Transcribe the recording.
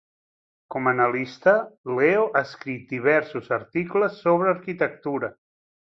Com analista, Leo ha escrit diversos articles sobre arquitectura.